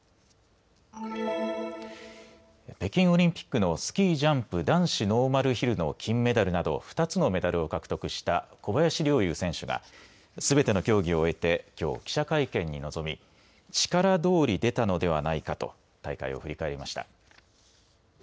北京オリンピックのスキージャンプ男子ノーマルヒルの金メダルなど２つのメダルを獲得した小林陵侑選手がすべての競技を終えてきょう記者会見に臨み力どおり、出たのではないかと大会を振り返りました。